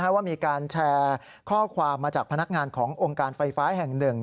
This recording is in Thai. ว่ามีการแชร์ข้อความมาจากพนักงานขององค์การไฟฟ้าแห่งหนึ่ง